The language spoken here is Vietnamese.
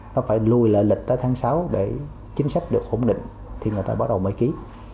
nó phải lùi lại lịch tới tháng sáu để chính sách được ổn định thì người ta bắt đầu mới ký